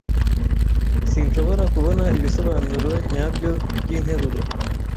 Sinshobora kubona ibisobanuro nyabyo byinteruro.